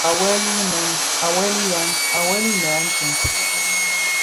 À weli më a ntseng.